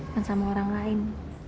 dan sama orang lain